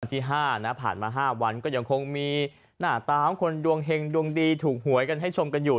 วันที่๕ผ่านมา๕วันยังคงมีหน้าตาของคนดวงเห็งดวงดีถูกหวยให้ชมอยู่